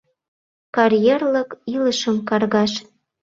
Карьерлык илышым каргаш.